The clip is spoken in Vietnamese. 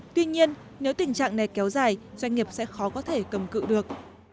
tuy nhiên nếu tình trạng này kéo dài doanh nghiệp sẽ khó có thể cầm cự được